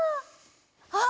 あっ！